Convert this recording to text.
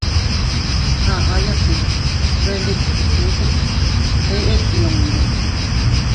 Aʼyase bendikute eʼet yundu.